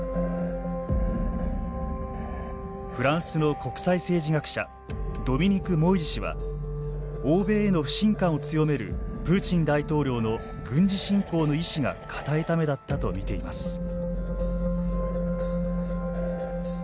フランスの国際政治学者ドミニク・モイジ氏は欧米への不信感を強めるプーチン大統領の軍事侵攻の意志が固いためだったとみています。